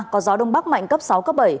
có gió đông bắc mạnh cấp sáu cấp bảy